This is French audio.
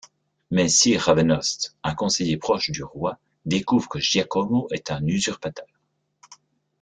Mais sir Ravenhurst, un conseiller proche du roi découvre que Giacomo est un usurpateur.